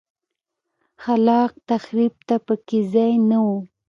خلاق تخریب ته په کې ځای نه و.